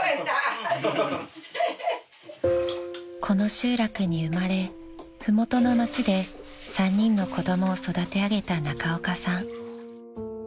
［この集落に生まれ麓の町で３人の子供を育て上げた中岡さん］